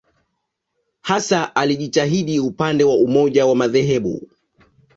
Hasa alijitahidi upande wa umoja wa madhehebu.